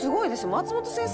松本先生